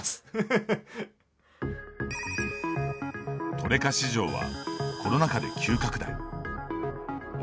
トレカ市場はコロナ禍で急拡大。